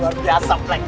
luar biasa black